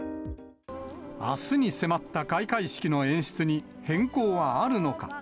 あすに迫った開会式の演出に変更はあるのか。